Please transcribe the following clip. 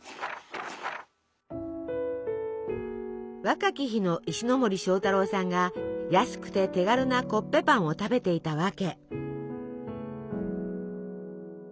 若き日の石森章太郎さんが安くて手軽なコッペパンを食べていた訳。